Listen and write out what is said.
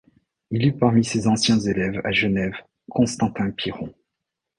Il eut parmi ses anciens élèves à Genève Constantin Piron.